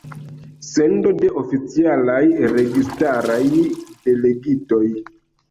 Sendo de oficialaj registaraj delegitoj.